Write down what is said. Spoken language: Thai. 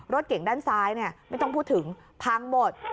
รถเก่งด้านซ้ายไม่ต้องพูดถึงพังหมด